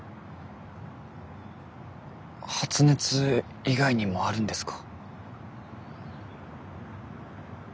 発熱以外にもあるんですか？